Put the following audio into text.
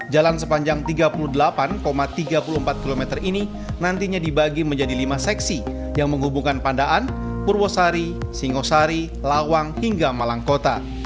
jalan sepanjang tiga puluh delapan tiga puluh empat km ini nantinya dibagi menjadi lima seksi yang menghubungkan pandaan purwosari singosari lawang hingga malang kota